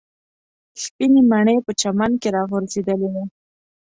سپینې مڼې په چمن کې راغورځېدلې وې.